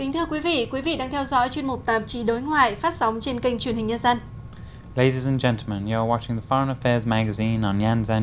thưa quý vị quý vị đang theo dõi chuyên mục tạm trí đối ngoại phát sóng trên kênh truyền hình nhân dân